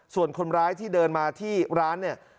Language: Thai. ส่วนคนร้ายที่เดินมาที่ร้านเนี่ย